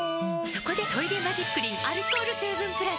そこで「トイレマジックリン」アルコール成分プラス！